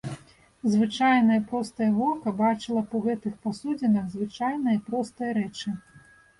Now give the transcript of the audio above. Звычайнае, простае вока бачыла б у гэтых пасудзінах звычайныя і простыя рэчы.